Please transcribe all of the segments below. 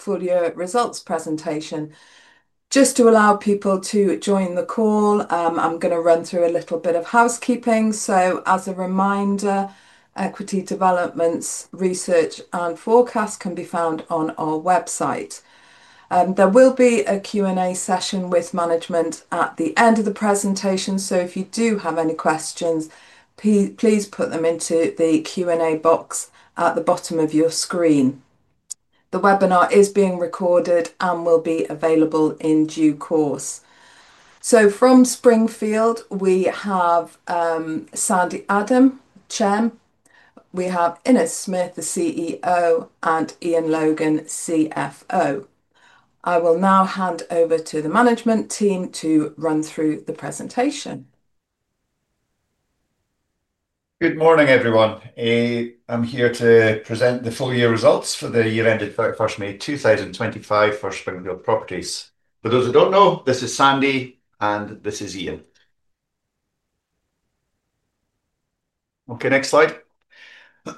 For the results presentation, just to allow people to join the call, I'm going to run through a little bit of housekeeping. As a reminder, equity developments, research, and forecasts can be found on our website. There will be a Q&A session with management at the end of the presentation. If you do have any questions, please put them into the Q&A box at the bottom of your screen. The webinar is being recorded and will be available in due course. From Springfield Properties, we have Alexander Adam, Chairman. We have Innes Smith, the CEO, and Iain Logan, CFO. I will now hand over to the management team to run through the presentation. Good morning, everyone. I'm here to present the full year results for the year ended 1 May 2025 for Springfield Properties. For those who don't know, this is Sandy and this is Iain. OK, next slide.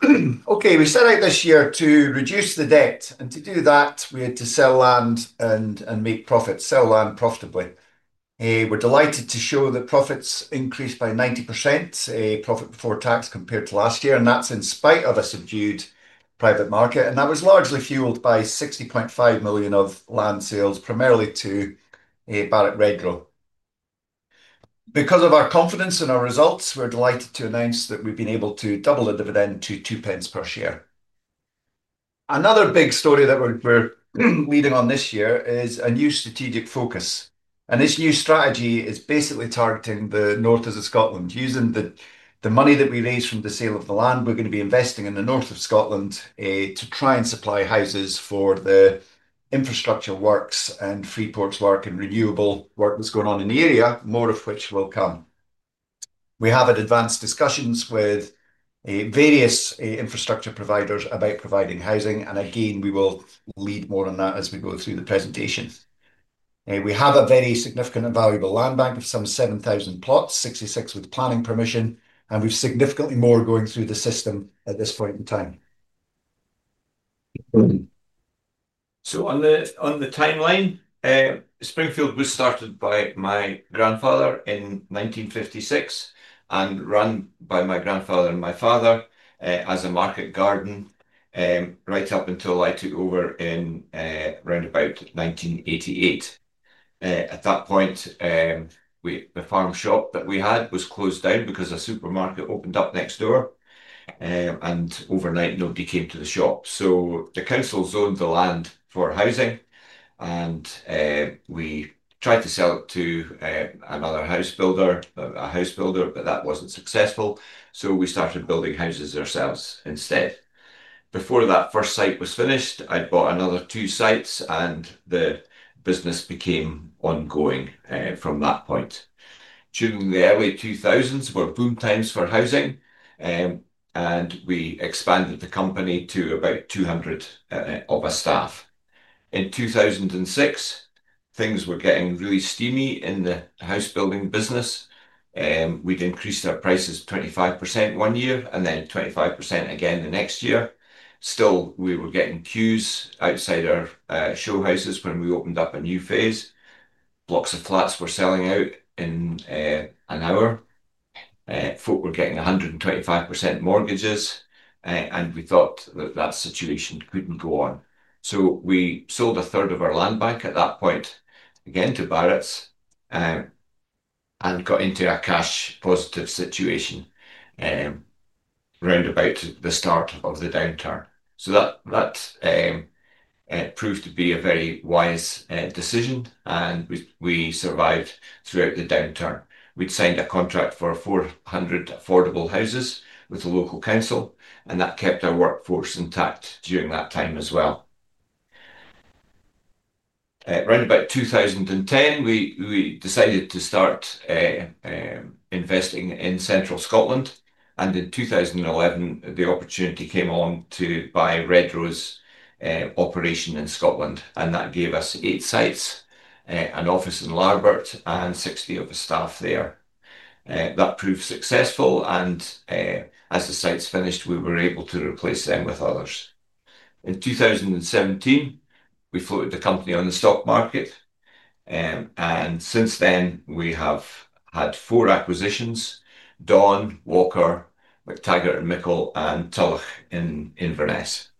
We set out this year to reduce the debt, and to do that, we had to sell land and make profits, sell land profitably. We're delighted to show that profits increased by 90%, profit before tax compared to last year, and that's in spite of a subdued private housing market. That was largely fueled by £60.5 million of land sales, primarily to Barratt Redrow. Because of our confidence in our results, we're delighted to announce that we've been able to double the dividend to £0.02 per share. Another big story that we're leading on this year is a new strategic focus. This new strategy is basically targeting the north of Scotland. Using the money that we raised from the sale of the land, we're going to be investing in the north of Scotland to try and supply houses for the infrastructure works and freeports work and renewable work that's going on in the area, more of which will come. We have had advanced discussions with various infrastructure providers about providing housing, and again, we will lead more on that as we go through the presentations. We have a very significant and valuable land bank of some 7,000 plots, 66 with planning permission, and we've significantly more going through the system at this point in time. On the timeline, Springfield was started by my grandfather in 1956 and run by my grandfather and my father as a market garden right up until I took over in round about 1988. At that point, the farm shop that we had was closed down because a supermarket opened up next door, and overnight nobody came to the shop. The council zoned the land for housing, and we tried to sell it to another house builder, a house builder, but that wasn't successful. We started building houses ourselves instead. Before that first site was finished, I'd bought another two sites, and the business became ongoing from that point. During the early 2000s, there were boom times for housing, and we expanded the company to about 200 of us staff. In 2006, things were getting really steamy in the house building business. We'd increased our prices 25% one year and then 25% again the next year. Still, we were getting queues outside our showhouses when we opened up a new phase. Blocks of flats were selling out in an hour. People were getting 125% mortgages, and we thought that that situation couldn't go on. We sold a third of our land bank at that point again to Barratt and got into a cash positive situation round about the start of the downturn. That proved to be a very wise decision, and we survived throughout the downturn. We'd signed a contract for 400 affordable houses with the local council, and that kept our workforce intact during that time as well. Around about 2010, we decided to start investing in central Scotland, and in 2011, the opportunity came along to buy Redrow's operation in Scotland, and that gave us eight sites, an office in Larbert, and 60 of the staff there. That proved successful, and as the sites finished, we were able to replace them with others. In 2017, we floated the company on the stock market, and since then, we have had four acquisitions: Dawn, Walker, Mactaggart & Mickel, and Tulloch in Inverness.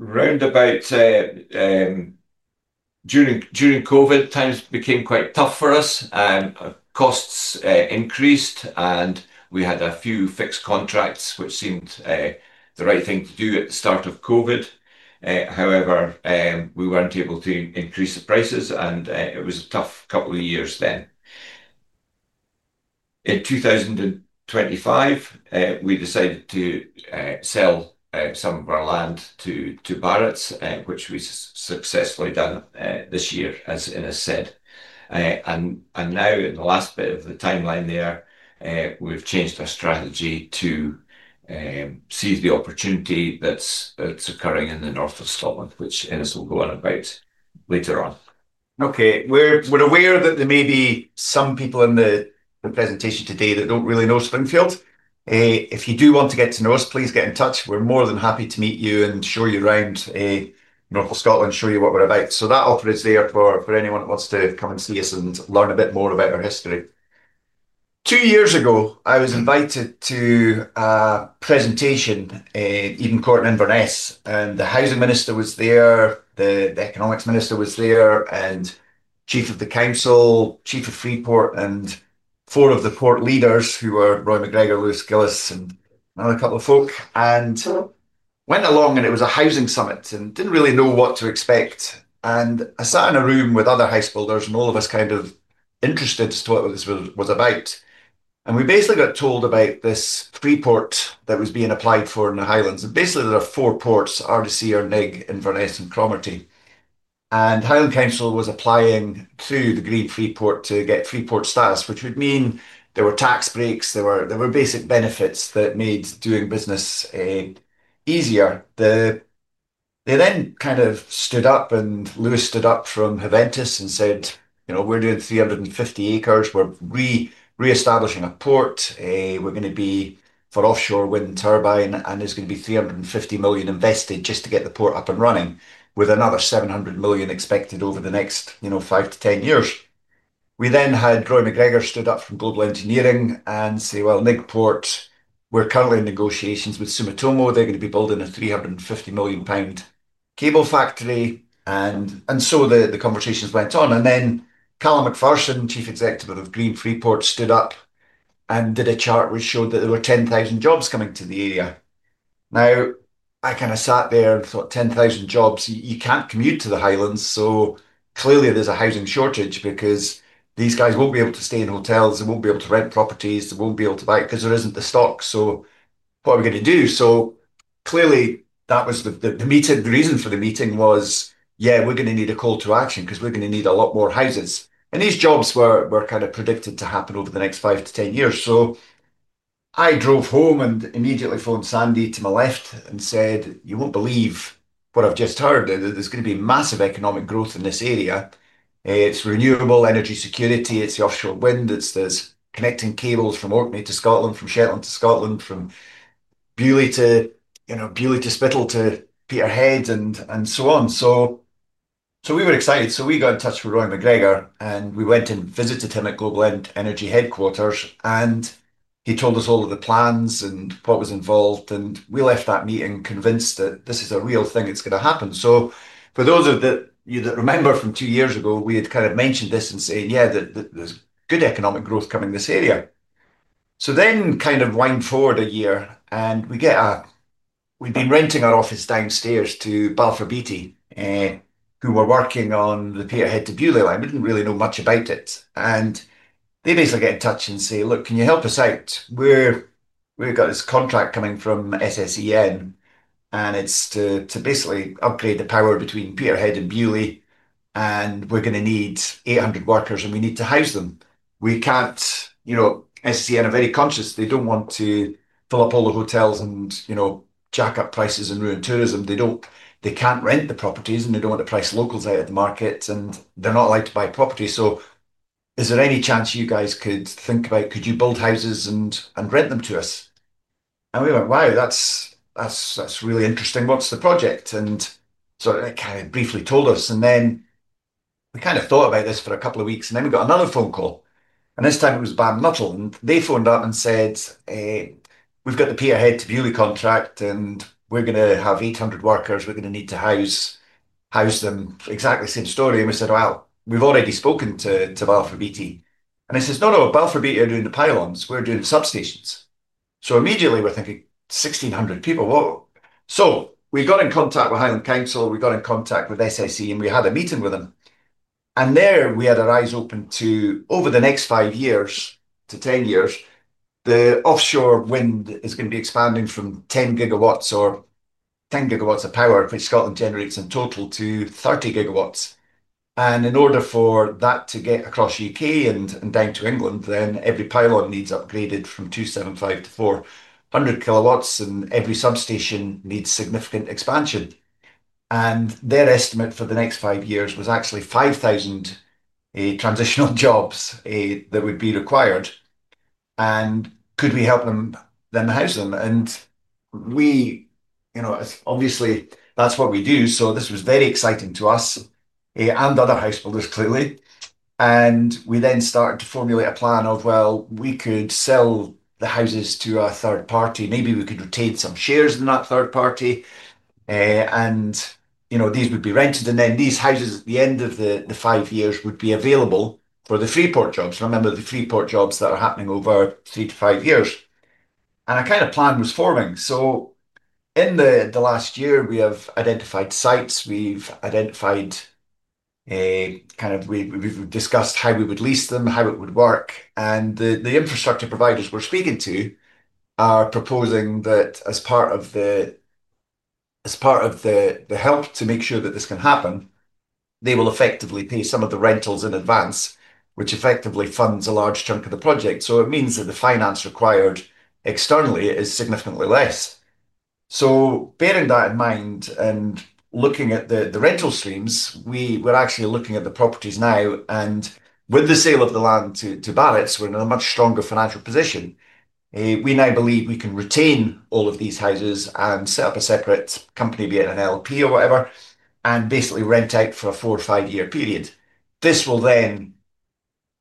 Round about during COVID, times became quite tough for us. Costs increased, and we had a few fixed contracts, which seemed the right thing to do at the start of COVID. However, we weren't able to increase the prices, and it was a tough couple of years then. In 2023, we decided to sell some of our land to Barratt, which we successfully done this year, as Innes said. Now, in the last bit of the timeline there, we've changed our strategy to seize the opportunity that's occurring in the north of Scotland, which Innes will go on about later on. OK, we're aware that there may be some people in the presentation today that don't really know Springfield. If you do want to get to know us, please get in touch. We're more than happy to meet you and show you around the north of Scotland, show you what we're about. That offer is there for anyone who wants to come and see us and learn a bit more about our history. Two years ago, I was invited to a presentation in Eton Court in Inverness, and the Housing Minister was there, the Economics Minister was there, and Chief of the Council, Chief of Freeport, and four of the port leaders who were Roy McGregor, Lewis Gillis, and another couple of folk, and went along. It was a housing summit and didn't really know what to expect. I sat in a room with other housebuilders and all of us kind of interested as to what this was about. We basically got told about this freeport that was being applied for in the Highlands. There are four ports: Nigg, Inverness, and Cromarty. Highland Council was applying to the Green Freeport to get freeport status, which would mean there were tax breaks, there were basic benefits that made doing business easier. They then kind of stood up, and Lewis stood up from Haventus and said, you know, we're doing 350 acres, we're reestablishing a port, we're going to be for offshore wind turbine, and there's going to be £350 million invested just to get the port up and running with another £700 million expected over the next five to ten years. We then had Roy McGregor stand up from Global Energy Group and say, Nigg Port, we're currently in negotiations with Sumitomo, they're going to be building a £350 million cable factory. The conversations went on. Then Callum McPherson, Chief Executive of Green Freeport, stood up and did a chart which showed that there were 10,000 jobs coming to the area. I kind of sat there and thought, 10,000 jobs, you can't commute to the Highlands, so clearly there's a housing shortage because these guys won't be able to stay in hotels, they won't be able to rent properties, they won't be able to buy it because there isn't the stock. What are we going to do? Clearly that was the reason for the meeting was, yeah, we're going to need a call to action because we're going to need a lot more houses. These jobs were kind of predicted to happen over the next five to ten years. I drove home and immediately phoned Sandy to my left and said, you won't believe what I've just heard. There's going to be massive economic growth in this area. It's renewable energy security, it's the offshore wind, it's connecting cables from Orkney to Scotland, from Shetland to Scotland, from Beauly to, you know, Beauly to Spittal to Peterhead and so on. We were excited. We got in touch with Roy MacGregor and we went and visited him at Global Energy Group headquarters and he told us all of the plans and what was involved and we left that meeting convinced that this is a real thing, it's going to happen. For those of you that remember from two years ago, we had kind of mentioned this and saying, yeah, there's good economic growth coming in this area. Wind forward a year and we'd been renting our office downstairs to Balfour Beatty, who were working on the Peterhead to Beauly line. We didn't really know much about it. They basically get in touch and say, look, can you help us out? We've got this contract coming from SSEN and it's to basically upgrade the power between Peterhead and Beauly and we're going to need 800 workers and we need to house them. We can't, you know, SSEN are very conscious, they don't want to fill up all the hotels and, you know, jack up prices and ruin tourism. They can't rent the properties and they don't want to price locals out of the market and they're not allowed to buy properties. Is there any chance you guys could think about, could you build houses and rent them to us? We went, wow, that's really interesting. What's the project? They kind of briefly told us and then we kind of thought about this for a couple of weeks and then we got another phone call and this time it was Bam Nuttall. They phoned up and said, we've got the Peterhead to Beauly contract and we're going to have 800 workers, we're going to need to house them. Exactly the same story and we said, we've already spoken to Balfour Beatty. They said, no, no, Balfour Beatty are doing the pylons, we're doing the substations. Immediately we're thinking 1,600 people. Whoa. We got in contact with Highland Council, we got in contact with SSEN and we had a meeting with them. There we had our eyes open to over the next five years to ten years, the offshore wind is going to be expanding from 10 gigawatts or 10 gigawatts of power which Scotland generates in total to 30 gigawatts. In order for that to get across the UK and down to England, every pylon needs upgraded from 275 to 400 kilowatts, and every substation needs significant expansion. Their estimate for the next five years was actually 5,000 transitional jobs that would be required. Could we help them house them? Obviously, that's what we do. This was very exciting to us and other house builders, clearly. We then started to formulate a plan of, well, we could sell the houses to a third party, maybe we could retain some shares in that third party. These would be rented, and then these houses at the end of the five years would be available for the freeport jobs. Remember the freeport jobs that are happening over three to five years. A kind of plan was forming. In the last year, we have identified sites, we've discussed how we would lease them, how it would work. The infrastructure providers we're speaking to are proposing that as part of the help to make sure that this can happen, they will effectively pay some of the rentals in advance, which effectively funds a large chunk of the project. It means that the finance required externally is significantly less. Bearing that in mind and looking at the rental streams, we're actually looking at the properties now, and with the sale of the land to Barratt Redrow, we're in a much stronger financial position. We now believe we can retain all of these houses and set up a separate company, be it an LP or whatever, and basically rent out for a four or five-year period.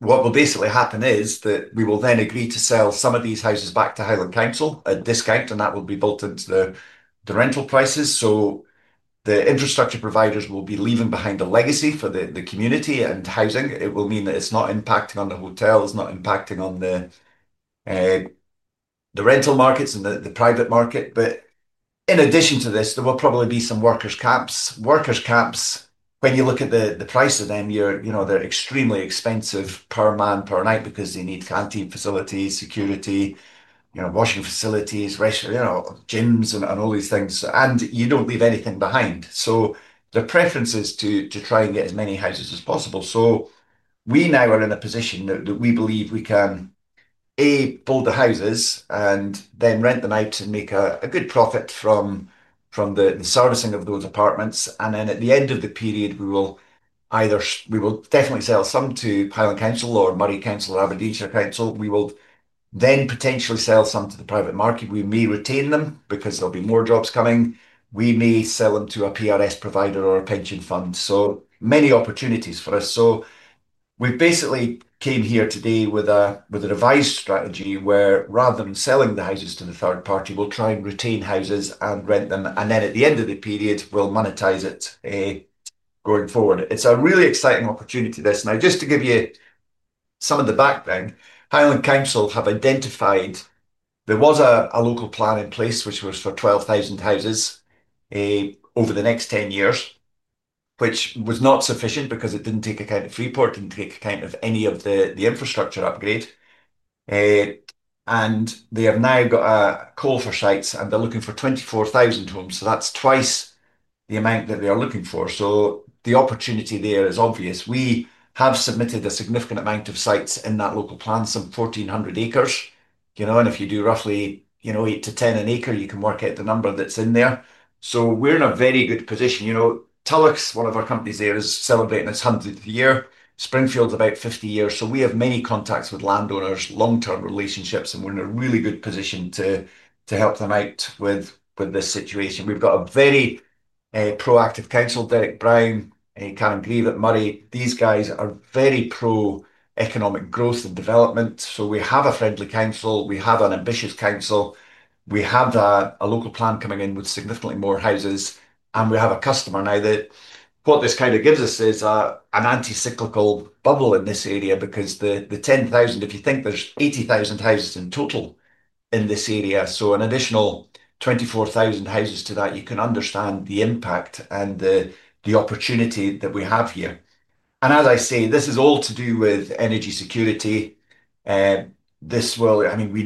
What will basically happen is that we will then agree to sell some of these houses back to Highland Council at discount, and that will be built into the rental prices. The infrastructure providers will be leaving behind a legacy for the community and housing. It will mean that it's not impacting on the hotels, not impacting on the rental markets and the private market. In addition to this, there will probably be some workers' camps. Workers' camps, when you look at the price of them, they're extremely expensive per man, per night because they need canteen facilities, security, washing facilities, gyms, and all these things. You don't leave anything behind. The preference is to try and get as many houses as possible. We now are in a position that we believe we can, A, build the houses and then rent them out and make a good profit from the servicing of those apartments. At the end of the period, we will either, we will definitely sell some to Highland Council or Moray Council or Aberdeenshire Council. We will then potentially sell some to the private market. We may retain them because there'll be more jobs coming. We may sell them to a PRS provider or a pension fund. Many opportunities for us. We basically came here today with a revised strategy where rather than selling the houses to the third party, we'll try and retain houses and rent them. At the end of the period, we'll monetize it going forward. It's a really exciting opportunity, this. Just to give you some of the background, Highland Council have identified there was a local plan in place which was for 12,000 houses over the next 10 years, which was not sufficient because it didn't take account of freeport, didn't take account of any of the infrastructure upgrade. They have now got a call for sites and they're looking for 24,000 homes. That's twice the amount that they are looking for. The opportunity there is obvious. We have submitted a significant amount of sites in that local plan, some 1,400 acres, and if you do roughly eight to ten an acre, you can work out the number that's in there. We're in a very good position. Tulloch, one of our companies there, is celebrating its hundredth year. Springfield's about 50 years. We have many contacts with landowners, long-term relationships, and we're in a really good position to help them out with this situation. We've got a very proactive council, Derek Brown, Karen Cleavitt, Moray. These guys are very pro-economic growth and development. We have a friendly council, we have an ambitious council, we have a local plan coming in with significantly more houses, and we have a customer. What this kind of gives us is an anti-cyclical bubble in this area because the 10,000, if you think there's 80,000 houses in total in this area, so an additional 24,000 houses to that, you can understand the impact and the opportunity that we have here. As I say, this is all to do with energy security. We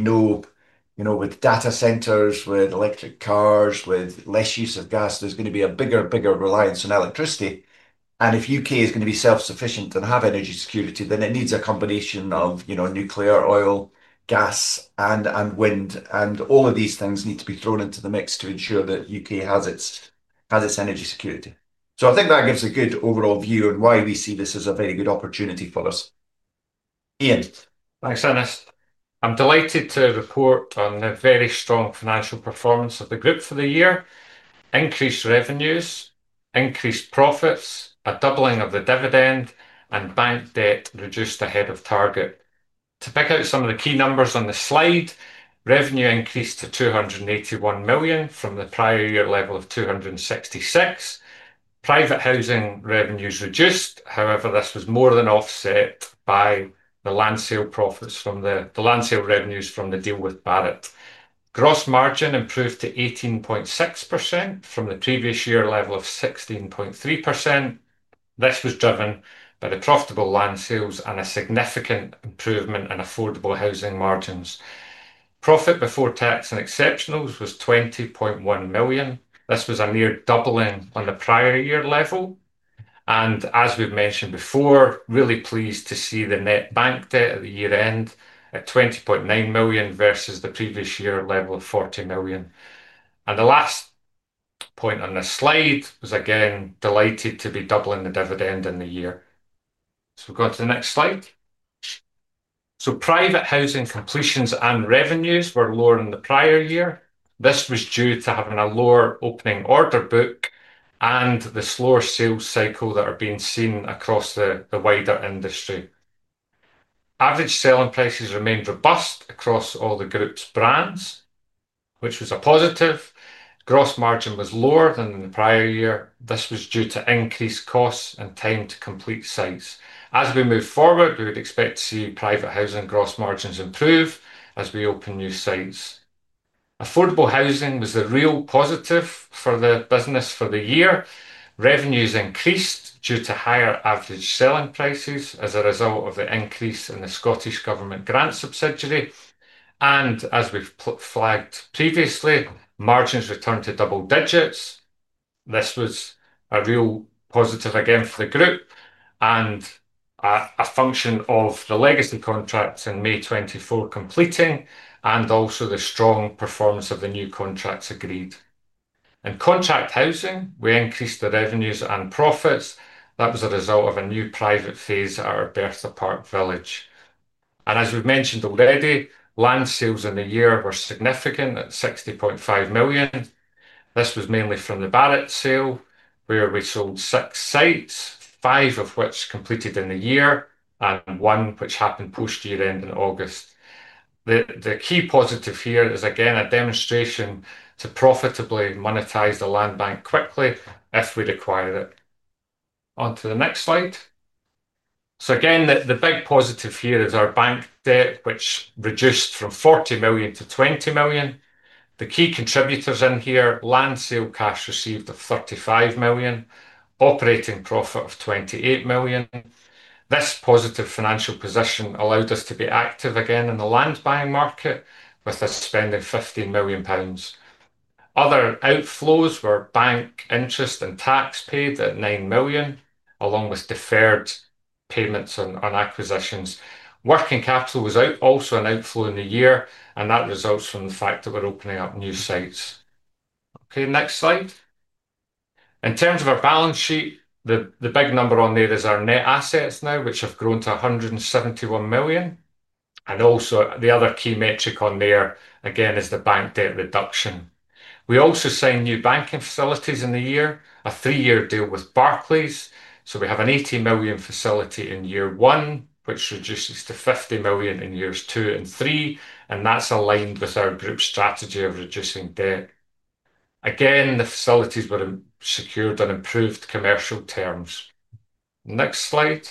know, with data centers, with electric cars, with less use of gas, there's going to be a bigger, bigger reliance on electricity. If UK is going to be self-sufficient and have energy security, it needs a combination of nuclear, oil, gas, and wind. All of these things need to be thrown into the mix to ensure that UK has its energy security. I think that gives a good overall view on why we see this as a very good opportunity for us. Iain. Thanks, Ernest. I'm delighted to report on a very strong financial performance of the group for the year. Increased revenues, increased profits, a doubling of the dividend, and bank debt reduced ahead of target. To pick out some of the key numbers on the slide, revenue increased to £281 million from the prior year level of £266 million. Private housing revenues reduced, however, this was more than offset by the land sale profits from the land sale revenues from the deal with Barratt. Gross margin improved to 18.6% from the previous year level of 16.3%. This was driven by the profitable land sales and a significant improvement in affordable housing margins. Profit before tax and exceptionals was £20.1 million. This was a mere doubling on the prior year level. As we've mentioned before, really pleased to see the net bank debt at the year end at £20.9 million versus the previous year level of £40 million. The last point on the slide was again delighted to be doubling the dividend in the year. We'll go on to the next slide. Private housing completions and revenues were lower than the prior year. This was due to having a lower opening order book and the slower sales cycle that are being seen across the wider industry. Average selling prices remained robust across all the group's brands, which was a positive. Gross margin was lower than in the prior year. This was due to increased costs and time to complete sites. As we move forward, we would expect to see private housing gross margins improve as we open new sites. Affordable housing was a real positive for the business for the year. Revenues increased due to higher average selling prices as a result of the increase in the Scottish Government grant subsidiary. As we've flagged previously, margins returned to double digits. This was a real positive again for the group and a function of the legacy contracts in May 2024 completing and also the strong performance of the new contracts agreed. Contract housing, we increased the revenues and profits. That was a result of a new private phase at our Bertha Park Village. As we've mentioned already, land sales in the year were significant at £60.5 million. This was mainly from the Barratt sale where we sold six sites, five of which completed in the year and one which happened post-year end in August. The key positive here is again a demonstration to profitably monetize the land bank quickly if we required it. On to the next slide. The big positive here is our bank debt, which reduced from £40 million to £20 million. The key contributors in here: land sale cash received of £35 million, operating profit of £28 million. This positive financial position allowed us to be active again in the land buying market, with us spending £15 million. Other outflows were bank interest and tax paid at £9 million, along with deferred payments on acquisitions. Working capital was also an outflow in the year, and that results from the fact that we're opening up new sites. Next slide. In terms of our balance sheet, the big number on there is our net assets now, which have grown to £171 million. The other key metric on there again is the bank debt reduction. We also signed new banking facilities in the year, a three-year deal with Barclays. We have an £80 million facility in year one, which reduces to £50 million in years two and three. That's aligned with our group's strategy of reducing debt. The facilities were secured on improved commercial terms. Next slide.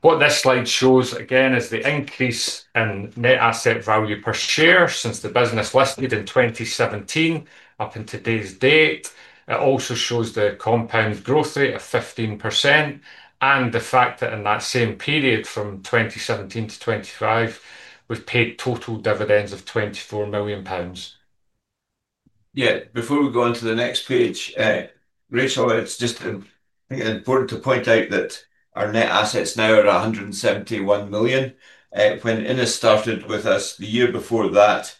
What this slide shows again is the increase in net asset value per share since the business was listed in 2017 up until today's date. It also shows the compound growth rate of 15% and the fact that in that same period from 2017 to 2025, we've paid total dividends of £24 million. Yeah, before we go on to the next page, Rachel, it's just important to point out that our net assets now are £171 million. When Innes started with us the year before that,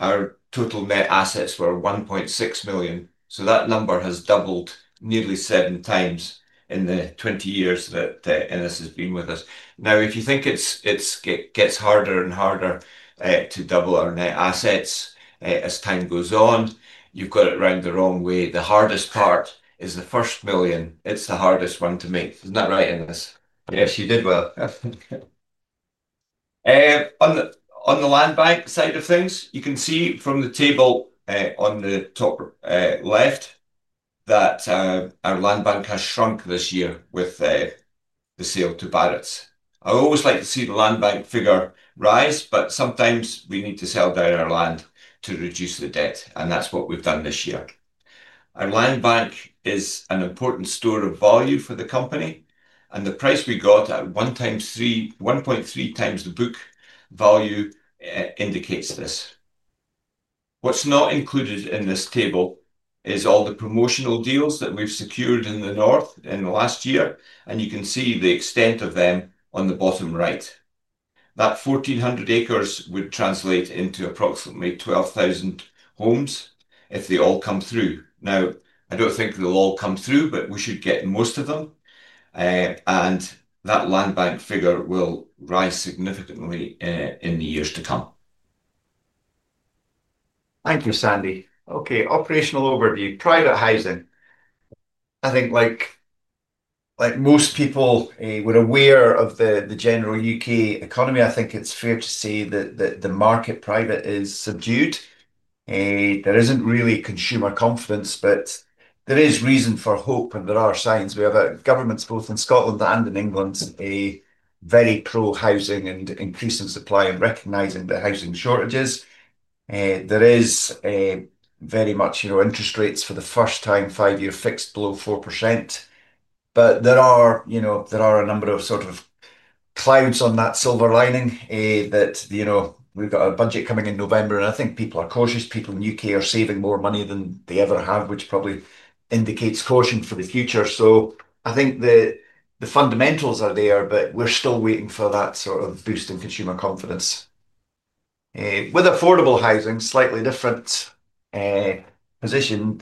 our total net assets were £1.6 million. That number has doubled nearly seven times in the 20 years that Innes has been with us. Now, if you think it gets harder and harder to double our net assets as time goes on, you've got it around the wrong way. The hardest part is the first million. It's the hardest one to make. Isn't that right, Innes? Yes, you did well. On the land bank side of things, you can see from the table on the top left that our land bank has shrunk this year with the sale to Barratt Redrow. I always like to see the land bank figure rise, but sometimes we need to sell down our land to reduce the debt, and that's what we've done this year. Our land bank is an important store of value for the company, and the price we got at 1.3 times the book value indicates this. What's not included in this table is all the promotional deals that we've secured in the north in the last year, and you can see the extent of them on the bottom right. That 1,400 acres would translate into approximately 12,000 homes if they all come through. Now, I don't think they'll all come through, but we should get most of them, and that land bank figure will rise significantly in the years to come. Thank you, Sandy. OK, operational overview. Private housing. I think like most people were aware of the general UK economy, I think it's fair to say that the private housing market is subdued. There isn't really consumer confidence, but there is reason for hope, and there are signs. We have governments, both in Scotland and in England, very pro-housing and increasing supply and recognizing the housing shortages. There is very much, you know, interest rates for the first time, five-year fixed below 4%. There are a number of sort of clouds on that silver lining that, you know, we've got a budget coming in November, and I think people are cautious. People in the UK are saving more money than they ever have, which probably indicates caution for the future. I think the fundamentals are there, but we're still waiting for that sort of boost in consumer confidence. With affordable housing, slightly different position,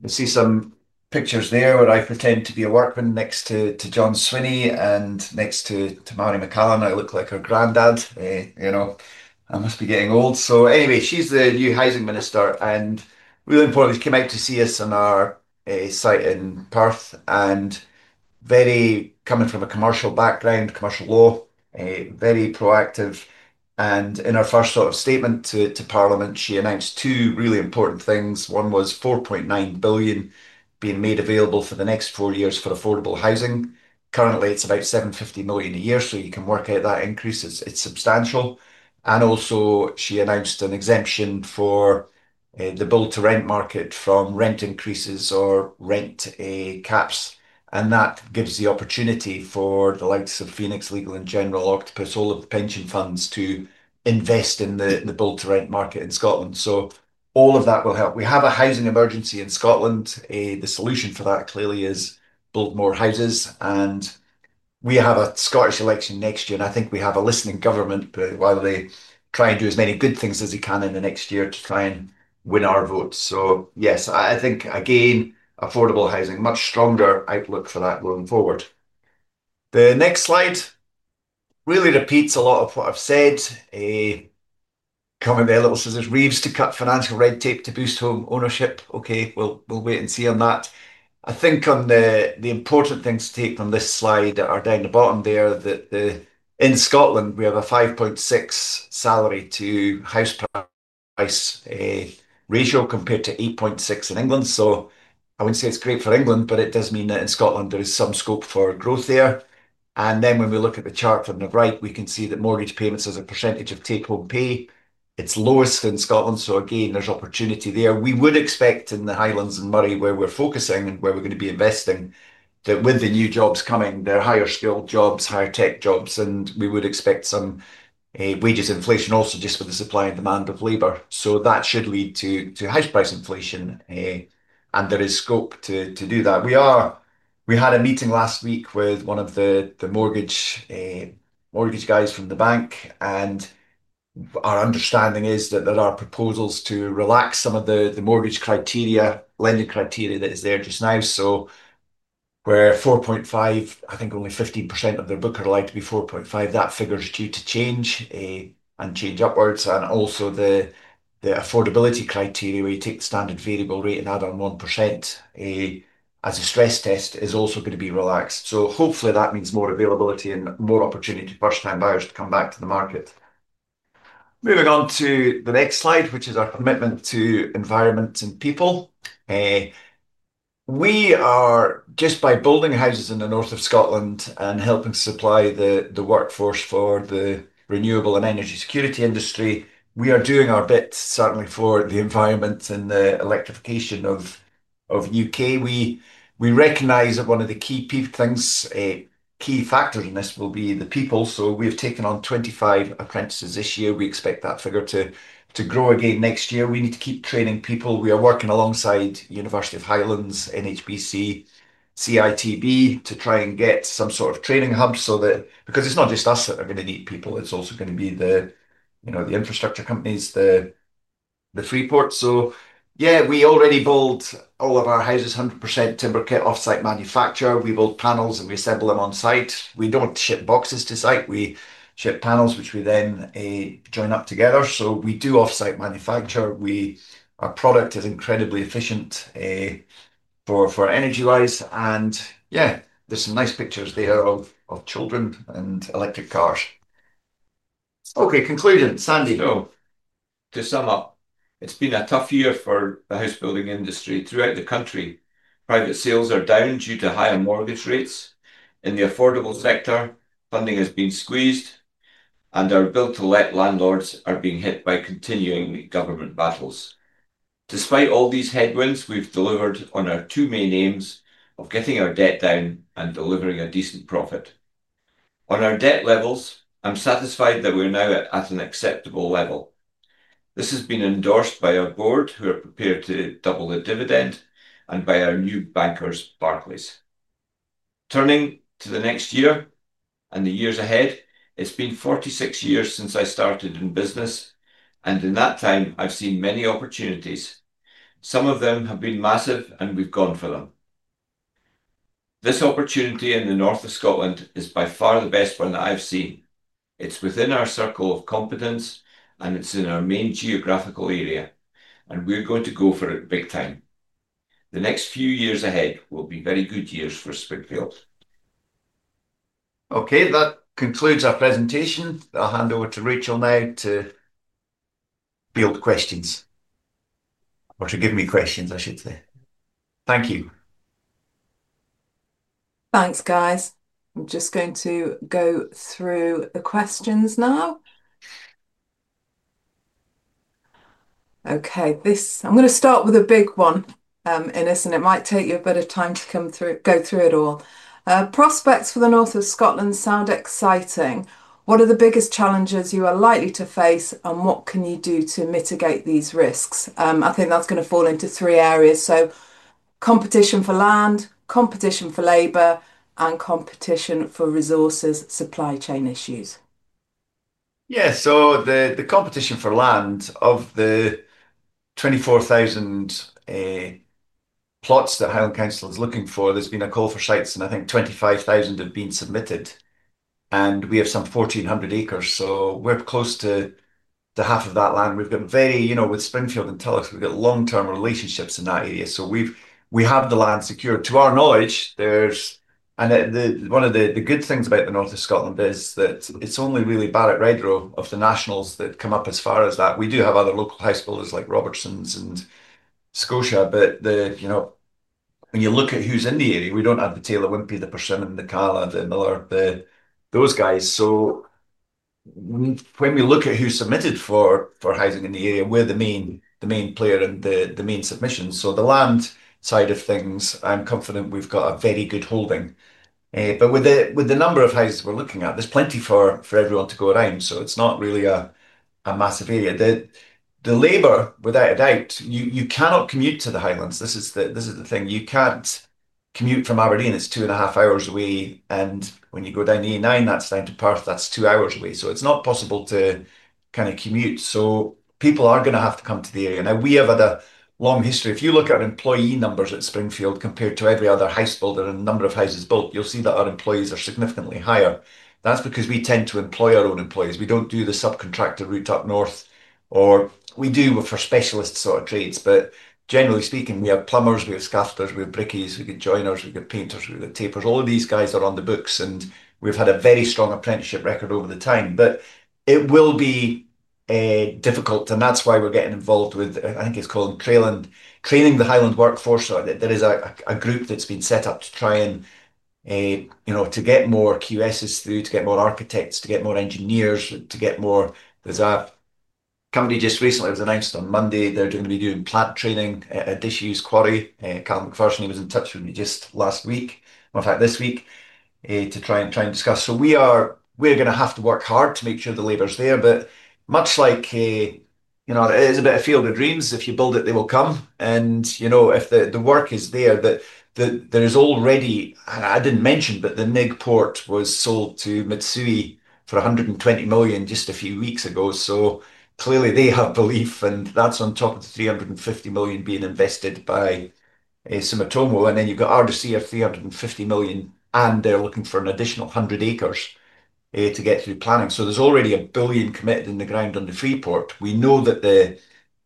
we see some pictures there where I pretend to be a workman next to John Swinney and next to Marion McCallum. I look like her granddad. I must be getting old. Anyway, she's the new Housing Minister, and really importantly, she came out to see us in our site in Perth. Coming from a commercial background, commercial law, very proactive. In her first sort of statement to Parliament, she announced two really important things. One was £4.9 billion being made available for the next four years for affordable housing. Currently, it's about £750 million a year, so you can work out that increase. It's substantial. She also announced an exemption for the build-to-rent market from rent increases or rent caps. That gives the opportunity for the likes of Phoenix, Legal & General, Oak, all of the pension funds to invest in the build-to-rent market in Scotland. All of that will help. We have a housing emergency in Scotland. The solution for that clearly is build more houses. We have a Scottish election next year, and I think we have a listening government while they try and do as many good things as they can in the next year to try and win our votes. Yes, I think again, affordable housing, much stronger outlook for that going forward. The next slide really repeats a lot of what I've said. Come with the little scissors weaves to cut financial red tape to boost home ownership. OK, we'll wait and see on that. I think the important things to take from this slide are down the bottom there. In Scotland, we have a 5.6 salary to house price ratio compared to 8.6 in England. I wouldn't say it's great for England, but it does mean that in Scotland there is some scope for growth there. When we look at the chart from the right, we can see that mortgage payments as a percentage of take-home pay, it's lowest in Scotland. Again, there's opportunity there. We would expect in the Highlands and Moray, where we're focusing and where we're going to be investing, that with the new jobs coming, there are higher skilled jobs, higher tech jobs, and we would expect some wages inflation also just with the supply and demand of labor. That should lead to house price inflation, and there is scope to do that. We had a meeting last week with one of the mortgage guys from the bank, and our understanding is that there are proposals to relax some of the mortgage criteria, lending criteria that is there just now. Where 4.5, I think only 15% of their book would like to be 4.5, that figure is due to change and change upwards. Also, the affordability criteria, we take the standard variable rate and add on 1% as a stress test, is also going to be relaxed. Hopefully that means more availability and more opportunity to first-time buyers to come back to the market. Moving on to the next slide, which is our commitment to environment and people. We are, just by building houses in the north of Scotland and helping supply the workforce for the renewable and energy security industry, doing our bit certainly for the environment and the electrification of the UK. We recognize that one of the key things, a key factor in this will be the people. We've taken on 25 apprentices this year. We expect that figure to grow again next year. We need to keep training people. We are working alongside the University of Highlands, NHBC, CITB to try and get some sort of training hub because it's not just us that are going to need people, it's also going to be the infrastructure companies, the freeport. We already build all of our houses 100% timber kit offsite manufacture. We build panels and we assemble them on site. We don't ship boxes to site. We ship panels, which we then join up together. We do offsite manufacture. Our product is incredibly efficient for energy-wise. There's some nice pictures there of children and electric cars. OK, concluding, Sandy. To sum up, it's been a tough year for the house building industry throughout the country. Private sales are down due to higher mortgage rates. In the affordable sector, funding has been squeezed, and our build-to-let landlords are being hit by continuing government battles. Despite all these headwinds, we've delivered on our two main aims of getting our debt down and delivering a decent profit. On our debt levels, I'm satisfied that we're now at an acceptable level. This has been endorsed by our board, who are prepared to double the dividend, and by our new bankers, Barclays. Turning to the next year and the years ahead, it's been 46 years since I started in business, and in that time, I've seen many opportunities. Some of them have been massive, and we've gone for them. This opportunity in the north of Scotland is by far the best one that I've seen. It's within our circle of competence, and it's in our main geographical area, and we're going to go for it big time. The next few years ahead will be very good years for Springfield. That concludes our presentation. I'll hand over to Rachel now to field questions, or to give me questions, I should say. Thank you. Thanks, guys. I'm just going to go through the questions now. OK, I'm going to start with a big one, Innes, and it might take you a bit of time to go through it all. Prospects for the north of Scotland sound exciting. What are the biggest challenges you are likely to face, and what can you do to mitigate these risks? I think that's going to fall into three areas: competition for land, competition for labor, and competition for resources, supply chain issues. Yeah, so the competition for land, of the 24,000 plots that Highland Council is looking for, there's been a call for sites, and I think 25,000 have been submitted. We have some 1,400 acres, so we're close to half of that land. We've been very, you know, with Springfield and Tulloch, we've got long-term relationships in that area. We have the land secured. To our knowledge, there's, and one of the good things about the north of Scotland is that it's only really Barratt Redrow, of the nationals that come up as far as that. We do have other local house builders like Robertsons and Scotia. When you look at who's in the area, we don't have the Taylor Wimpey, the Persimmon, McCallum, the Miller, those guys. When we look at who's submitted for housing in the area, we're the main player in the main submissions. The land side of things, I'm confident we've got a very good holding. With the number of houses we're looking at, there's plenty for everyone to go around. It's not really a massive area. The labor, without a doubt, you cannot commute to the Highlands. This is the thing. You can't commute from Aberdeen. It's two and a half hours away. When you go down the A9, that's down to Perth. That's two hours away. It's not possible to kind of commute. People are going to have to come to the area. We have had a long history. If you look at employee numbers at Springfield compared to every other house builder and the number of houses built, you'll see that our employees are significantly higher. That's because we tend to employ our own employees. We don't do the subcontractor route up north, or we do for specialist sort of trades. Generally speaking, we have plumbers, we have scaffolders, we have brickies, we've got joiners, we've got painters, we've got tapers. All of these guys are on the books, and we've had a very strong apprenticeship record over the time. It will be difficult, and that's why we're getting involved with, I think it's called Training the Highland Workforce. There is a group that's been set up to try and, you know, to get more QSs through, to get more architects, to get more engineers, to get more. There's a company just recently that was announced on Monday. They're going to be doing plant training, a disused quarry. Callum McPherson was in touch with me just last week, or in fact, this week, to try and discuss. We are going to have to work hard to make sure the labor is there. Much like, you know, it is a bit of field of dreams. If you build it, they will come. If the work is there, there is already, and I didn't mention, but the Nigg Port was sold to Mitsui for £120 million just a few weeks ago. Clearly they have belief, and that's on top of the £350 million being invested by Sumitomo. Then you've got RDC of £350 million, and they're looking for an additional 100 acres to get through planning. There's already £1 billion committed in the ground under Freeport. We know that the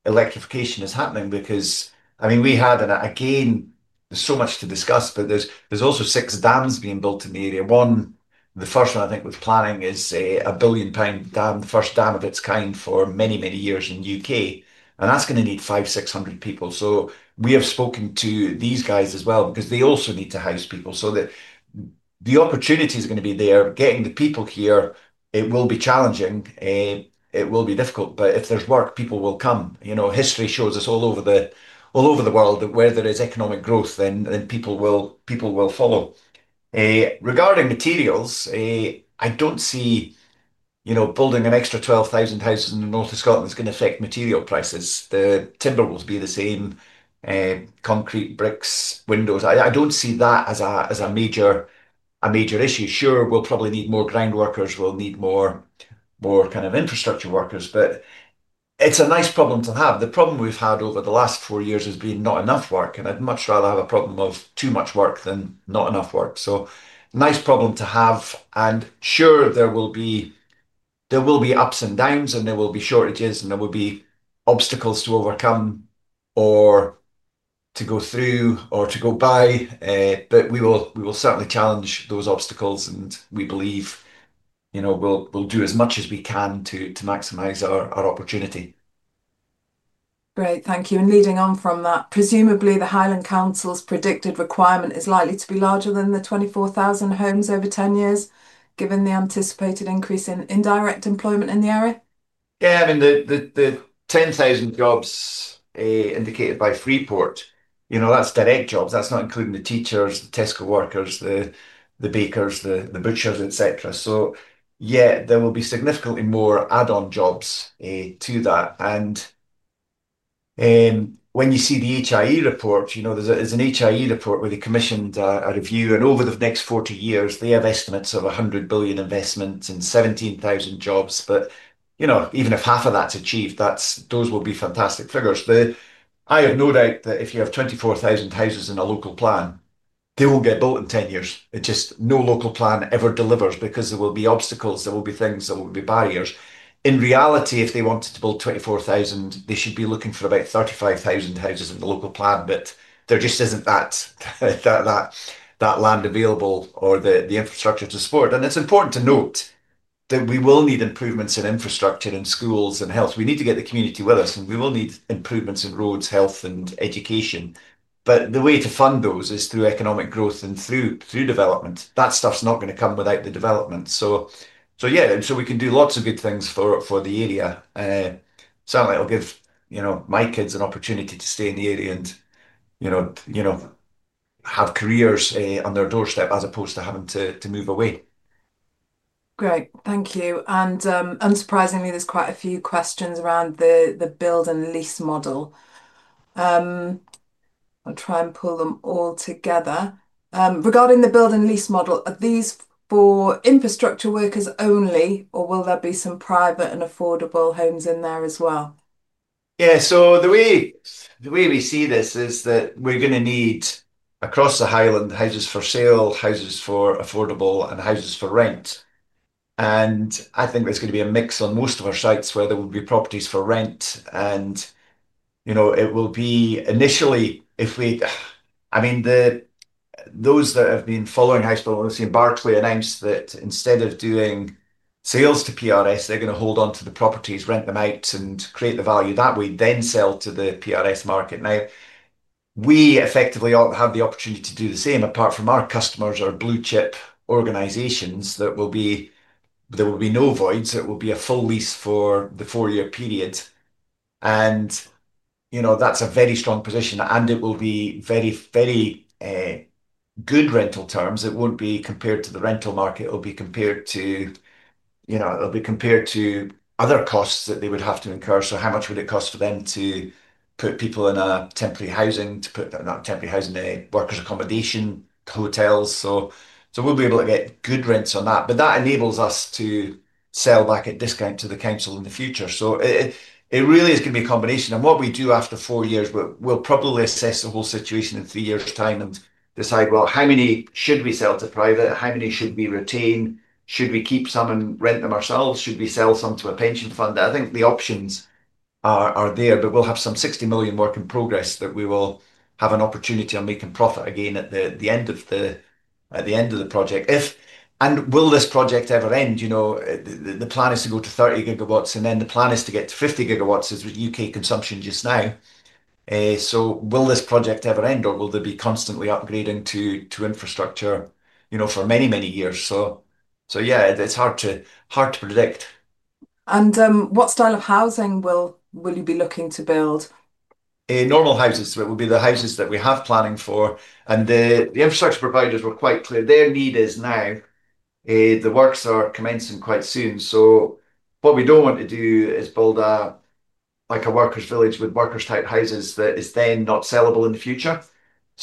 electrification is happening because, I mean, we had, and again, there's so much to discuss, but there's also six dams being built in the area. The first one, I think, with planning is a £1 billion dam, the first dam of its kind for many, many years in the UK. That's going to need 500, 600 people. We have spoken to these guys as well because they also need to house people. The opportunity is going to be there. Getting the people here will be challenging. It will be difficult. If there's work, people will come. History shows us all over the world that where there is economic growth, then people will follow. Regarding materials, I don't see building an extra 12,000 houses in the north of Scotland is going to affect material prices. The timber will be the same. Concrete, bricks, windows. I don't see that as a major issue. Sure, we'll probably need more ground workers. We'll need more kind of infrastructure workers. It's a nice problem to have. The problem we've had over the last four years has been not enough work. I'd much rather have a problem of too much work than not enough work. Nice problem to have. Sure, there will be ups and downs, and there will be shortages, and there will be obstacles to overcome or to go through or to go by. We will certainly challenge those obstacles. We believe we'll do as much as we can to maximize our opportunity. Great, thank you. Leading on from that, presumably the Highland Council's predicted requirement is likely to be larger than the 24,000 homes over 10 years, given the anticipated increase in indirect employment in the area. Yeah, I mean, the 10,000 jobs indicated by Freeport, you know, that's direct jobs. That's not including the teachers, the Tesco workers, the bakers, the butchers, etc. There will be significantly more add-on jobs to that. When you see the HIE report, there's an HIE report where they commissioned a review. Over the next 40 years, they have estimates of £100 billion investments in 17,000 jobs. Even if half of that's achieved, those will be fantastic figures. I have no doubt that if you have 24,000 houses in a local plan, they won't get built in 10 years. It's just no local plan ever delivers because there will be obstacles. There will be things. There will be barriers. In reality, if they wanted to build 24,000, they should be looking for about 35,000 houses in the local plan. There just isn't that land available or the infrastructure to support. It's important to note that we will need improvements in infrastructure and schools and health. We need to get the community with us. We will need improvements in roads, health, and education. The way to fund those is through economic growth and through development. That stuff's not going to come without the development. I'm sure we can do lots of good things for the area. Certainly, it'll give my kids an opportunity to stay in the area and have careers on their doorstep as opposed to having to move away. Great, thank you. Unsurprisingly, there's quite a few questions around the build-and-lease model. I'll try and pull them all together. Regarding the build-and-lease model, are these for infrastructure workers only, or will there be some private and affordable homes in there as well? Yeah, the way we see this is that we're going to need across the Highland houses for sale, houses for affordable, and houses for rent. I think there's going to be a mix on most of our sites where there will be properties for rent. It will be initially, if we, I mean, those that have been following house building, we've seen Barclays announce that instead of doing sales to PRS, they're going to hold on to the properties, rent them out, and create the value that we then sell to the PRS market. We effectively have the opportunity to do the same apart from our customers, our blue chip organizations, that will be, there will be no voids. It will be a full lease for the four-year period. That's a very strong position. It will be very, very good rental terms. It won't be compared to the rental market. It'll be compared to other costs that they would have to incur. How much would it cost for them to put people in temporary housing, to put them in temporary housing, workers' accommodation, hotels? We'll be able to get good rents on that. That enables us to sell back at discount to the council in the future. It really is going to be a combination. What we do after four years, we'll probably assess the whole situation in three years' time and decide how many should we sell to private, how many should we retain, should we keep some and rent them ourselves, should we sell some to a pension fund. I think the options are there. We'll have some £60 million work in progress that we will have an opportunity on making profit again at the end of the project. Will this project ever end? The plan is to go to 30 gigawatts. The plan is to get to 50 gigawatts as with UK consumption just now. Will this project ever end, or will there be constantly upgrading to infrastructure for many, many years? It's hard to predict. What style of housing will you be looking to build? Normal houses. It will be the houses that we have planning for, and the infrastructure providers were quite clear. Their lead is now. The works are commencing quite soon. What we don't want to do is build a, like, a worker's village with worker-type houses that is then not sellable in the future.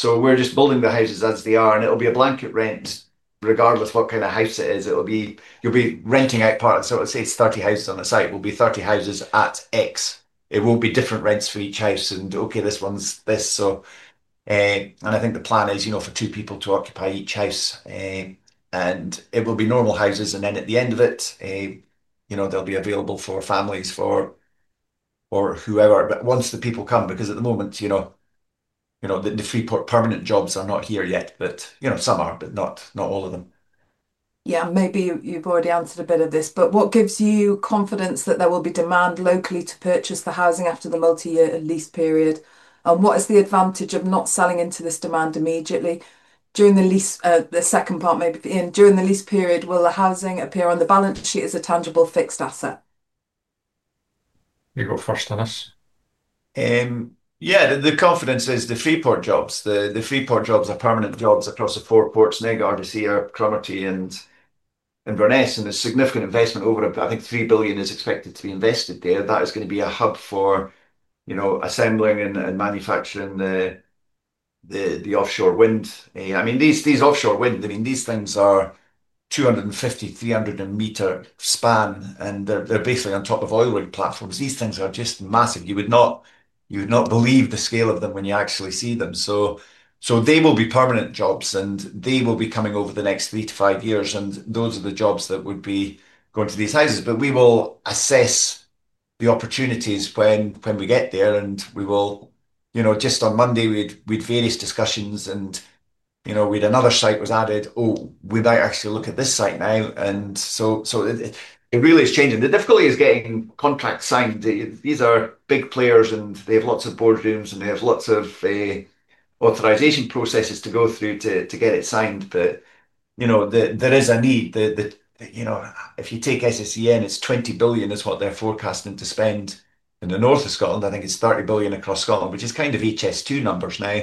We're just building the houses as they are, and it'll be a blanket rent, regardless of what kind of house it is. You'll be renting out parts. Let's say it's 30 houses on the site. It'll be 30 houses at X. It won't be different rents for each house. OK, this one's this. I think the plan is, you know, for two people to occupy each house, and it will be normal houses. At the end of it, they'll be available for families, for whoever. Once the people come, because at the moment, you know, the Freeport permanent jobs are not here yet. Some are, but not all of them. Maybe you've already answered a bit of this. What gives you confidence that there will be demand locally to purchase the housing after the multi-year lease period? What is the advantage of not selling into this demand immediately? During the lease period, will the housing appear on the balance sheet as a tangible fixed asset? You go first, Alice. Yeah, the confidence is the Freeport jobs. The Freeport jobs are permanent jobs across the four ports: Nigg, Odissea, Cromarty, and Brunes. There's significant investment over, I think, £3 billion is expected to be invested there. That is going to be a hub for assembling and manufacturing the offshore wind. I mean, these offshore wind, I mean, these things are 250, 300 meter span. They're basically on top of oil rig platforms. These things are just massive. You would not believe the scale of them when you actually see them. They will be permanent jobs, and they will be coming over the next three to five years. Those are the jobs that would be going to these houses. We will assess the opportunities when we get there. Just on Monday, we'd had various discussions, and another site was added. Oh, we might actually look at this site now. It really is changing. The difficulty is getting contracts signed. These are big players, and they have lots of boardrooms, and they have lots of authorization processes to go through to get it signed. There is a need that, if you take SSEN, it's £20 billion is what they're forecasting to spend in the north of Scotland. I think it's £30 billion across Scotland, which is kind of HS2 numbers now.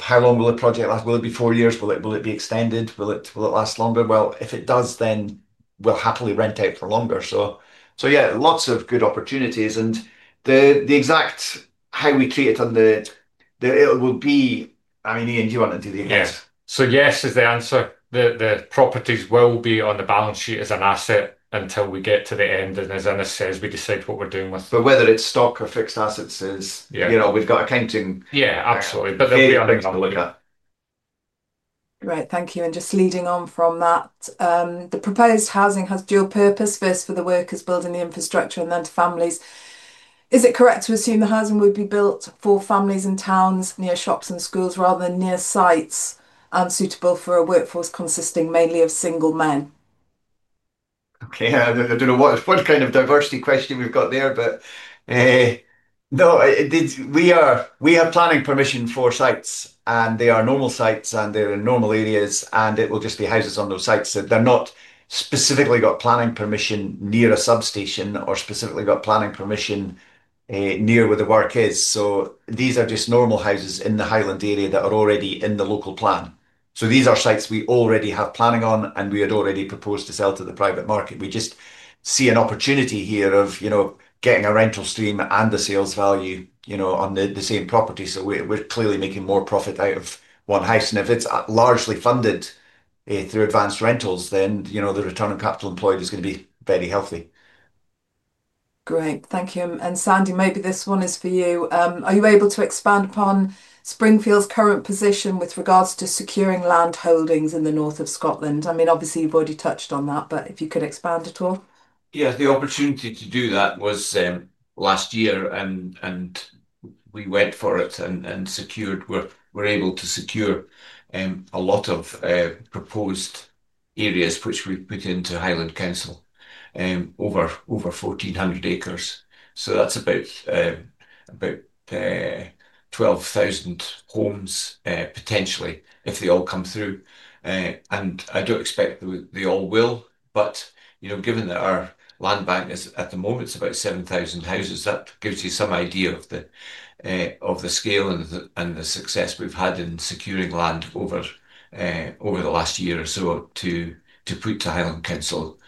How long will the project last? Will it be four years? Will it be extended? Will it last longer? If it does, then we'll happily rent out for longer. Yeah, lots of good opportunities. The exact how we create it on the, it will be, Iain, do you want to do the answer? Yes, the properties will be on the balance sheet as an asset until we get to the end. As I said, we decide what we're doing with it. Whether it's stock or fixed assets, we've got accounting. Yeah, absolutely. They are the other things to look at. Right, thank you. Just leading on from that, the proposed housing has dual purpose. First, for the workers building the infrastructure and then to families. Is it correct to assume the housing would be built for families in towns, near shops and schools, rather than near sites unsuitable for a workforce consisting mainly of single men? OK, I don't know what kind of diversity question we've got there. No, we are planning permission for sites, and they are normal sites. They're in normal areas, and it will just be houses on those sites. They're not specifically got planning permission near a substation or specifically got planning permission near where the work is. These are just normal houses in the Highland area that are already in the local plan. These are sites we already have planning on, and we had already proposed to sell to the private market. We just see an opportunity here of, you know, getting a rental stream and a sales value, you know, on the same property. We're clearly making more profit out of one house, and if it's largely funded through advanced rentals, then, you know, the return on capital employed is going to be very healthy. Great, thank you. Sandy, maybe this one is for you. Are you able to expand upon Springfield's current position with regards to securing land holdings in the north of Scotland? Obviously, you've already touched on that. If you could expand at all? Yeah, the opportunity to do that was last year. We went for it and secured. We were able to secure a lot of proposed areas which we put into Highland Council, over 1,400 acres. That's about 12,000 homes, potentially, if they all come through. I don't expect they all will. You know, given that our land bank is at the moment, it's about 7,000 houses, that gives you some idea of the scale and the success we've had in securing land over the last year or so to put to Highland Council,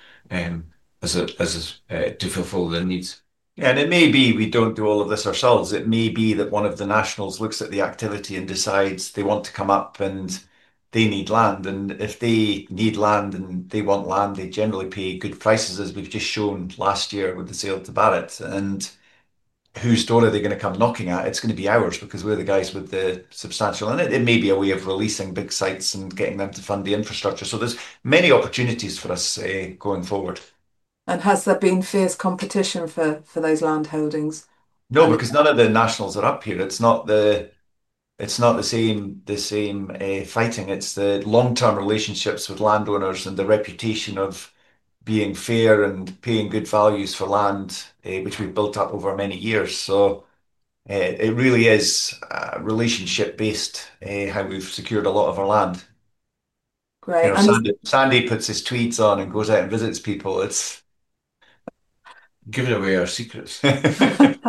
as a, as a, to fulfill their needs. Yeah, and it may be we don't do all of this ourselves. It may be that one of the nationals looks at the activity and decides they want to come up and they need land. If they need land and they want land, they generally pay good prices, as we've just shown last year with the sale to Barratt. Whose door are they going to come knocking at? It's going to be ours because we're the guys with the substantial, and it may be a way of releasing big sites and getting them to fund the infrastructure. There are many opportunities for us going forward. Has there been fierce competition for those land holdings? No, because none of the nationals are up here. It's not the same fighting. It's the long-term relationships with landowners and the reputation of being fair and paying good values for land, which we've built up over many years. It really is relationship-based how we've secured a lot of our land. Great. Sandy puts his tweets on and goes out and visits people. It's giving away our secrets. And.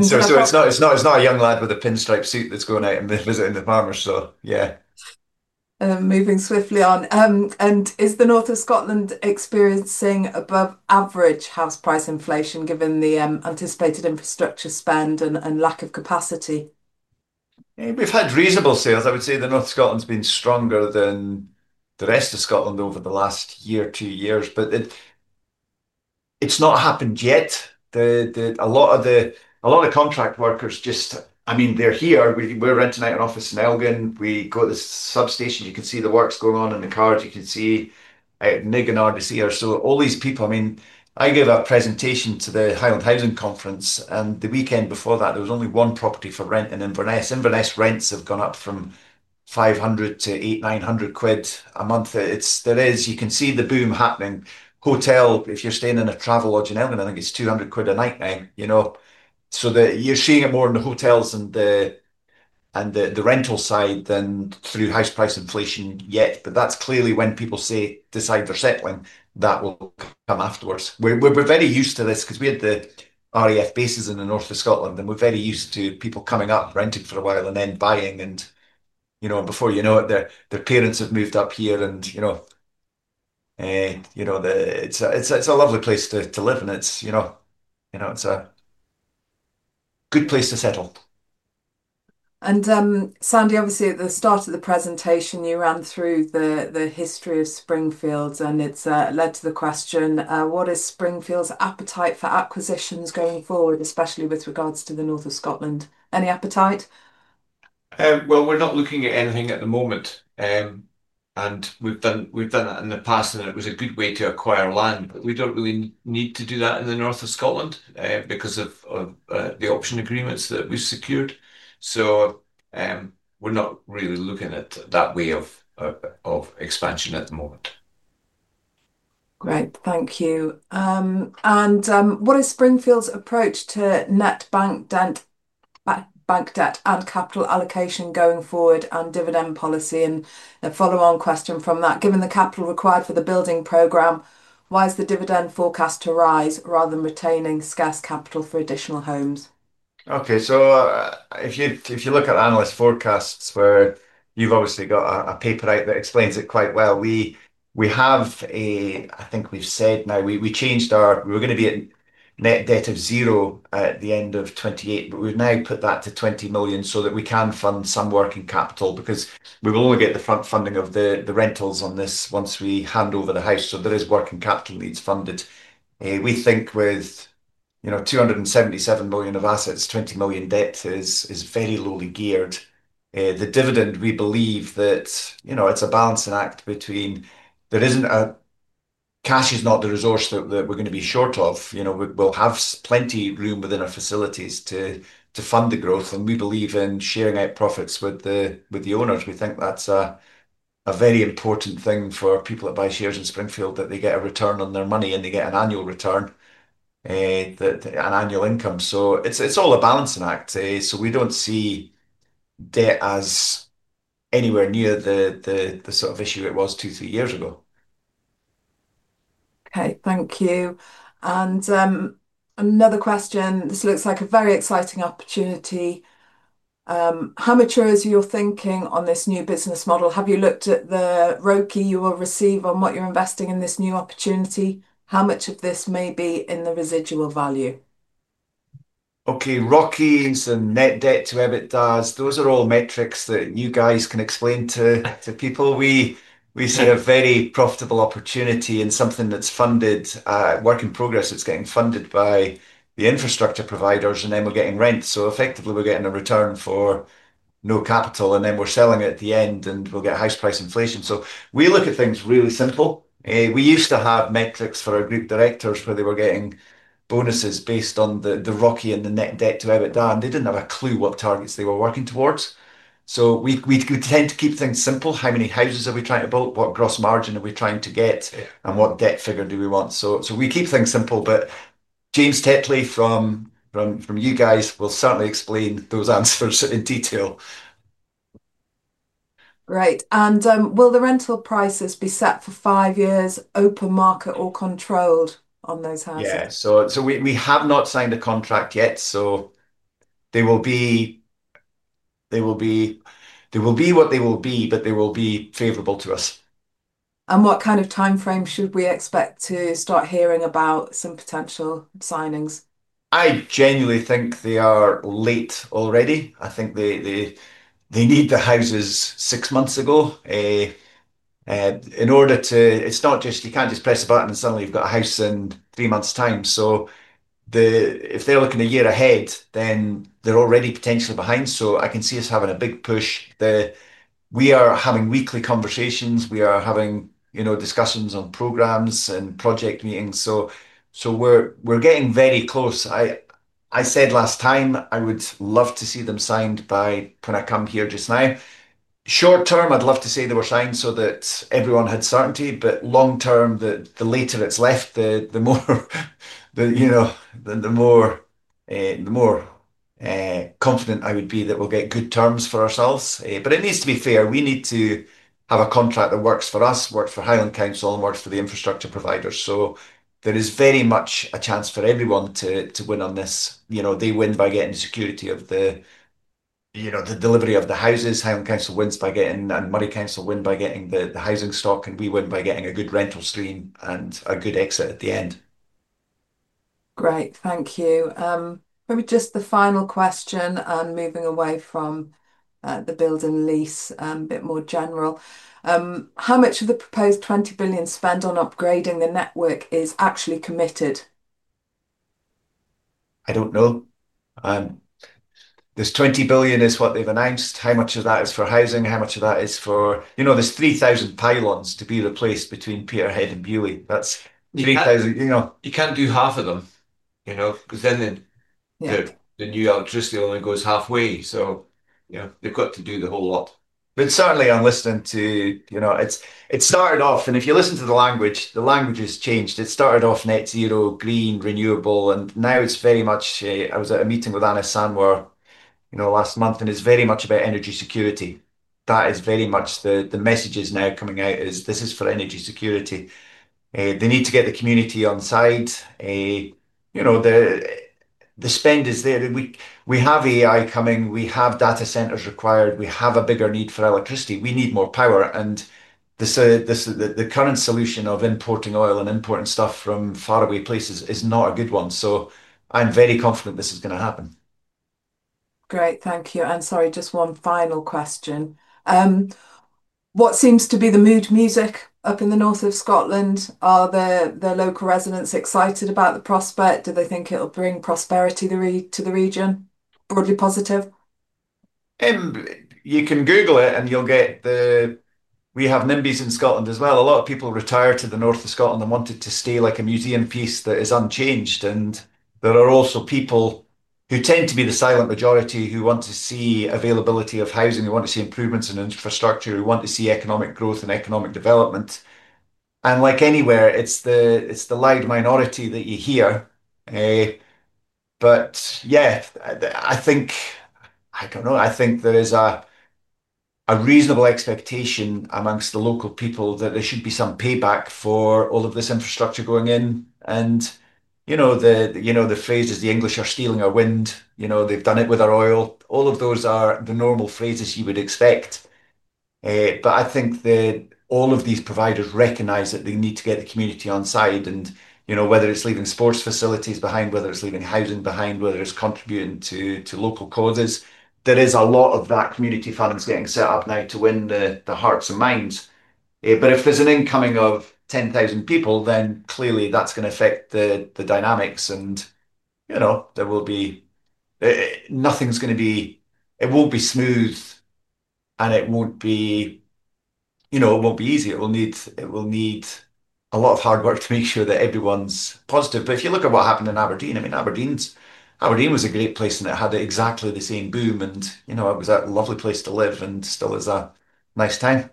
It's not a young lad with a pinstripe suit that's going out and visiting the farmers. Yeah. Moving swiftly on. Is the north of Scotland experiencing above average house price inflation given the anticipated infrastructure spend and lack of capacity? We've had reasonable sales. I would say the north of Scotland's been stronger than the rest of Scotland over the last year, two years. It's not happened yet. A lot of the contract workers, they're here. We're renting out an office in Elgin. We go to the substation. You can see the works going on in the cars. You can see Nigg and RDC. All these people, I gave a presentation to the Highland Housing Conference. The weekend before that, there was only one property for rent in Inverness. Inverness rents have gone up from £500 to £800, £900 a month. There is, you can see the boom happening. Hotel, if you're staying in a Travelodge in Elgin, I think it's £200 a night now, you know. You're seeing it more in the hotels and the rental side than through house price inflation yet. That's clearly when people decide they're settling, that will come afterwards. We're very used to this because we had the RAF bases in the north of Scotland. We're very used to people coming up and renting for a while and then buying. Before you know it, their parents have moved up here. It's a lovely place to live. It's a good place to settle. Sandy, obviously, at the start of the presentation, you ran through the history of Springfield Properties. It's led to the question, what is Springfield Properties' appetite for acquisitions going forward, especially with regards to the north of Scotland? Any appetite? We're not looking at anything at the moment. We've done that in the past, and it was a good way to acquire land. We don't really need to do that in the north of Scotland because of the option agreements that we've secured. We're not really looking at that way of expansion at the moment. Great, thank you. What is Springfield Properties' approach to net bank debt and capital allocation going forward, and dividend policy? A follow-on question from that: given the capital required for the building program, why is the dividend forecast to rise rather than retaining scarce capital for additional homes? OK, if you look at analyst forecasts, where you've obviously got a paper out that explains it quite well, we've said now, we changed our, we were going to be at net debt of zero at the end of 2028. We've now put that to £20 million so that we can fund some working capital because we will only get the funding of the rentals on this once we hand over the house. There is working capital that needs funding. We think with £277 million of assets, £20 million debt is very lowly geared. The dividend, we believe that it's a balancing act between there isn't a cash is not the resource that we're going to be short of. We'll have plenty of room within our facilities to fund the growth. We believe in sharing out profits with the owners. We think that's a very important thing for people that buy shares in Springfield Properties, that they get a return on their money and they get an annual return, an annual income. It's all a balancing act. We don't see debt as anywhere near the sort of issue it was two, three years ago. Thank you. Another question. This looks like a very exciting opportunity. How mature is your thinking on this new business model? Have you looked at the ROI you will receive on what you're investing in this new opportunity? How much of this may be in the residual value? OK, ROKIs and net debt, whatever it does, those are all metrics that you guys can explain to people. We see a very profitable opportunity in something that's funded, work in progress. It's getting funded by the infrastructure providers, and then we're getting rent. Effectively, we're getting a return for no capital, and then we're selling it at the end. We'll get house price inflation. We look at things really simple. We used to have metrics for our Group Directors where they were getting bonuses based on the ROKI and the net debt, whatever it does, and they didn't have a clue what targets they were working towards. We tend to keep things simple. How many houses are we trying to build? What gross margin are we trying to get? What debt figure do we want? We keep things simple. James Tetley from you guys will certainly explain those answers in detail. Will the rental prices be set for five years, open market, or controlled on those houses? Yeah, we have not signed a contract yet. They will be what they will be, but they will be favorable to us. What kind of time frame should we expect to start hearing about some potential signings? I genuinely think they are late already. I think they need the houses six months ago. In order to, it's not just, you can't just press a button and suddenly you've got a house in three months' time. If they're looking a year ahead, then they're already potentially behind. I can see us having a big push. We are having weekly conversations. We are having discussions on programs and project meetings. We're getting very close. I said last time I would love to see them signed by when I come here just now. Short term, I'd love to say they were signed so that everyone had certainty. Long term, the later it's left, the more confident I would be that we'll get good terms for ourselves. It needs to be fair. We need to have a contract that works for us, works for Highland Council, and works for the infrastructure providers. There is very much a chance for everyone to win on this. They win by getting the security of the delivery of the houses. Highland Council wins by getting, and Murray Council win by getting the housing stock. We win by getting a good rental stream and a good exit at the end. Great, thank you. Maybe just the final question and moving away from the build-and-lease a bit more general. How much of the proposed £20 billion spent on upgrading the network is actually committed? I don't know. This £20 billion is what they've announced. How much of that is for housing? How much of that is for, you know, there's 3,000 pylons to be replaced between Peterhead and Beaulieu. That's 3,000, you know. You can't do half of them, you know, because then the new electricity only goes halfway. They've got to do the whole lot. Certainly, I'm listening to, you know, it started off, and if you listen to the language, the language has changed. It started off net zero, green, renewable. Now it's very much, I was at a meeting with Anna Sanwar last month, and it's very much about energy security. That is very much the message that's now coming out: this is for energy security. They need to get the community on the side. The spend is there. We have AI coming. We have data centers required. We have a bigger need for electricity. We need more power. The current solution of importing oil and importing stuff from faraway places is not a good one. I'm very confident this is going to happen. Great, thank you. Sorry, just one final question. What seems to be the mood music up in the north of Scotland? Are the local residents excited about the prospect? Do they think it'll bring prosperity to the region? Broadly positive? You can Google it and you'll get the, we have NIMBYs in Scotland as well. A lot of people retired to the north of Scotland and want it to stay like a museum piece that is unchanged. There are also people who tend to be the silent majority who want to see availability of housing, who want to see improvements in infrastructure, who want to see economic growth and economic development. Like anywhere, it's the loud minority that you hear. I think there is a reasonable expectation amongst the local people that there should be some payback for all of this infrastructure going in. The phrases, the English are stealing our wind, they've done it with our oil. All of those are the normal phrases you would expect. I think that all of these providers recognize that they need to get the community on side. Whether it's leaving sports facilities behind, whether it's leaving housing behind, whether it's contributing to local causes, there is a lot of that community funds getting set up now to win the hearts and minds. If there's an incoming of 10,000 people, then clearly that's going to affect the dynamics. There will be, nothing's going to be, it won't be smooth. It won't be easy. It will need a lot of hard work to make sure that everyone's positive. If you look at what happened in Aberdeen, Aberdeen was a great place. It had exactly the same boom. It was a lovely place to live and still is a nice town.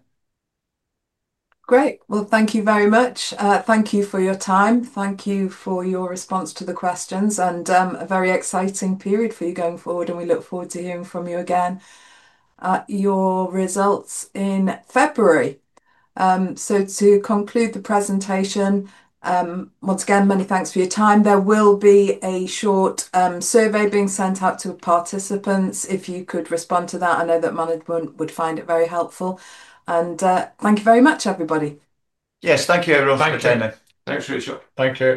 Great. Thank you very much. Thank you for your time. Thank you for your response to the questions. A very exciting period for you going forward. We look forward to hearing from you again at your results in February. To conclude the presentation, once again, many thanks for your time. There will be a short survey being sent out to participants. If you could respond to that, I know that management would find it very helpful. Thank you very much, everybody. Yes, thank you, everyone. Thanks, Dana. Thanks, Rachel. Thank you.